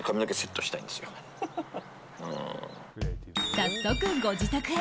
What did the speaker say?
早速、ご自宅へ。